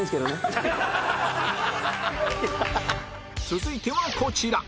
続いてはこちら